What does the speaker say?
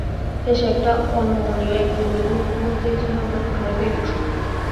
শেষে একটা অনমনীয় একগুঁয়েমি ভােবই যেন আমায় পেয়ে বসল।